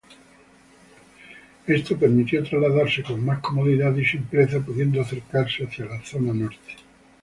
Esto permitió trasladarse con más comodidad y simpleza pudiendo acercarse hacia la zona norte.